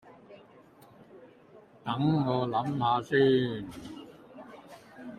等我諗吓先